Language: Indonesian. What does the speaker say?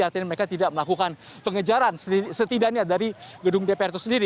artinya mereka tidak melakukan pengejaran setidaknya dari gedung dpr itu sendiri